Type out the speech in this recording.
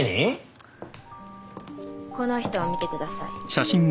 この人を見てください。